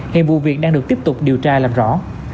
hiện vụ việc đang được tiếp tục điều tra làm rõ